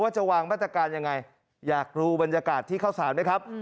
ว่าจะวางบรรจการอย่างไรอยากรู้บรรยากาศที่เข้าสารนะครับ